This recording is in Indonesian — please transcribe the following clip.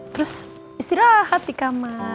terus istirahat di kamar